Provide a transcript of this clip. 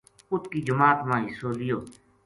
اُت کی جماعت ما حِصو لیو